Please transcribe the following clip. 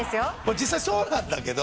実際そうなんだけど。